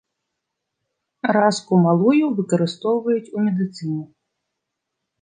Раску малую выкарыстоўваюць у медыцыне.